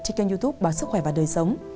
trên kênh youtube báo sức khỏe và đời sống